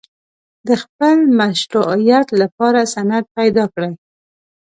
د خپل مشروعیت لپاره سند پیدا کړي.